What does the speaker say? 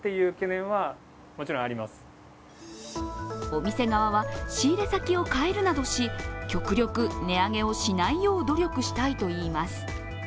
お店側は仕入れ先を変えるなどし、極力値上げをしないよう努力したいといいます。